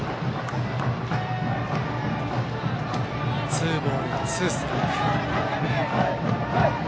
ツーボールツーストライク。